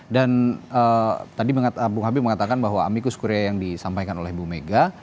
dan tadi bung habib mengatakan bahwa amicus curiae yang disampaikan oleh bung mega